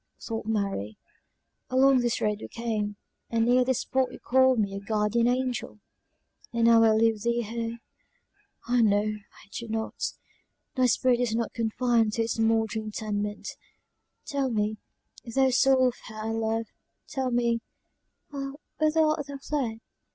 thought Mary, "along this road we came, and near this spot you called me your guardian angel and now I leave thee here! ah! no, I do not thy spirit is not confined to its mouldering tenement! Tell me, thou soul of her I love, tell me, ah! whither art thou fled?"